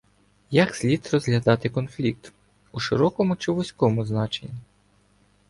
Як слід розглядати конфлікт, у широкому чи вузькому значенні?